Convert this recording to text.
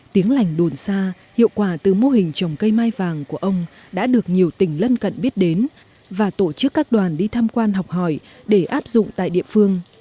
tiếng lành đồn xa hiệu quả từ mô hình trồng cây mai vàng của ông đã được nhiều tỉnh lân cận biết đến và tổ chức các đoàn đi tham quan học hỏi để áp dụng tại địa phương